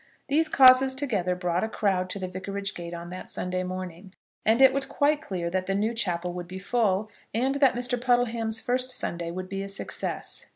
These causes together brought a crowd to the vicarage gate on that Sunday morning, and it was quite clear that the new chapel would be full, and that Mr. Puddleham's first Sunday would be a success.